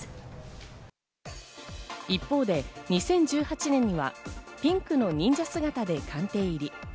一方で２０１８年にはピンクの忍者姿で官邸入り。